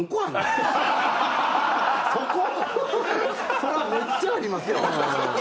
そこ⁉そらめっちゃありますよ！